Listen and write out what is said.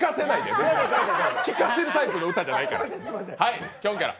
聴かせるタイプの歌じゃないから。